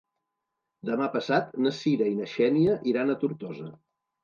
Demà passat na Cira i na Xènia iran a Tortosa.